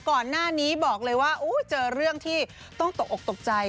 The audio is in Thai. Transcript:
ก่อนหน้านี้บอกเลยว่าเจอเรื่องที่ต้องตกออกตกใจ